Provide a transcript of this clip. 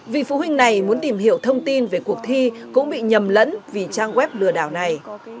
vì phụ huynh này muốn tìm hiểu thông tin về cuộc thi cũng bị nhầm lẫn vì trang web lừa đảo này